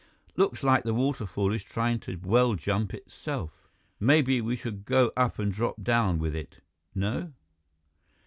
"Looks like the waterfall is trying a well jump itself. Maybe we should go up and drop down with it, no?"